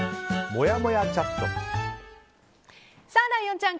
もやもやチャット。